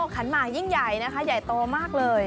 ขันหมากยิ่งใหญ่นะคะใหญ่โตมากเลย